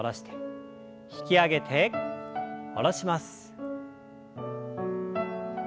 引き上げて下ろします。